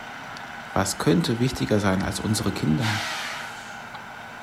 Was könnte wichtiger sein als unsere Kinder?